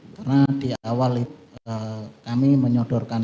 karena di awal kami menyodorkan